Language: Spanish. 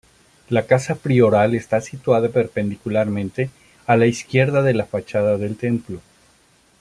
La Casa Prioral está situada perpendicularmente a la izquierda de la fachada del templo.